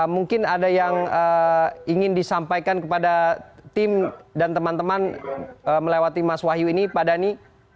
mungkin ada yang ingin disampaikan kepada tim dan teman teman melewati mas wahyu ini pak dhani